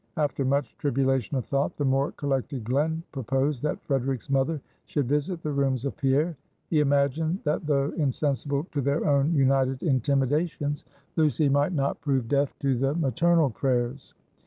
After much tribulation of thought, the more collected Glen proposed, that Frederic's mother should visit the rooms of Pierre; he imagined, that though insensible to their own united intimidations, Lucy might not prove deaf to the maternal prayers.